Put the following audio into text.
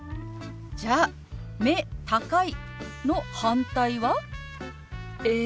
じゃあ「目高い」の反対は？え？